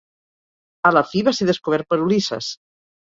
A la fi va ser descobert per Ulisses.